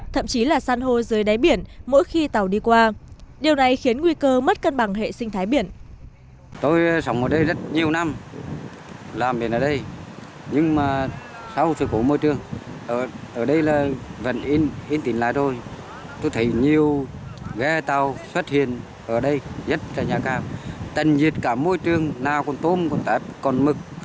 thậm chí là săn hô dưới đáy biển mỗi khi tàu đi qua điều này khiến nguy cơ mất cân bằng hệ sinh thái biển